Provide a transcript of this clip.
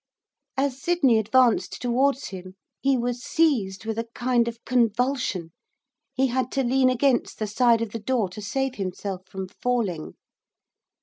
As Sydney advanced towards him he was seized with a kind of convulsion, he had to lean against the side of the door to save himself from falling.